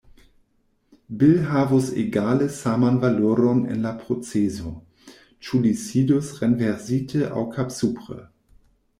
"Bil" havus egale saman valoron en la proceso, ĉu li sidus renversite aŭ kapsupre.